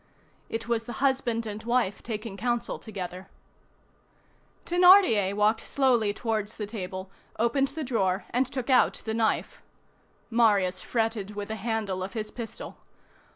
It was the husband and wife taking counsel together. Thénardier walked slowly towards the table, opened the drawer, and took out the knife. Marius fretted with the handle of his pistol.